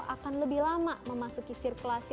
akan lebih lama memasuki sirkulasi